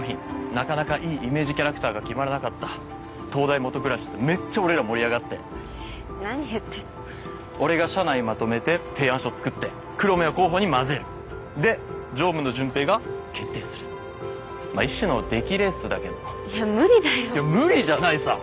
なかなかいいイメージキャラクターが決まらなかった灯台もと暗しってめっちゃ俺ら盛り上がって何言って俺が社内まとめて提案書作って黒目を候補に混ぜるで常務の純平が決定するまあ一種の出来レースだけどいや無理だよいや無理じゃないさ